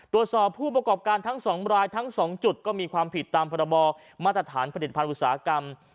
ตรวจสอบผู้ประกอบการทั้ง๒รายทั้ง๒จุดก็มีความผิดตามพรบมาตรฐานผลิตภัณฑ์อุตสาหกรรม